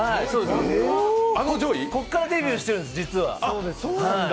こっからデビューしてるんです、実は。